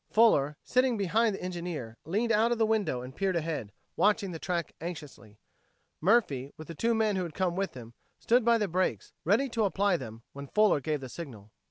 Fuller, sitting behind the engineer, leaned out of the window and peered ahead, watching the track anxiously. Murphy, with the two men who had come with them, stood by the brakes, ready to apply them when Fuller gave the signal.